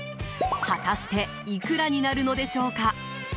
果たしていくらになるのでしょうか？